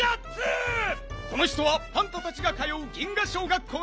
この人はパンタたちがかよう銀河小学校のねっけつ